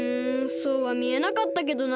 そうはみえなかったけどな。